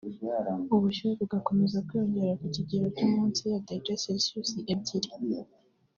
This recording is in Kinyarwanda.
ubushyuhe bugakomeza kwiyongera ku kigero cyo munsi ya degere selisiyusi ebyiri